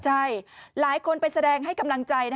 ใช่หลายคนไปแสดงให้กำลังใจ